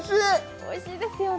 おいしいですよね